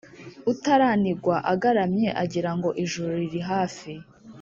Utaranigwa agaramye agirango ijuru ririhafi